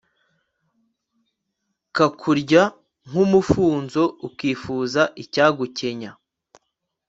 kakurya nk'umufunzo ukifuza icyagukenya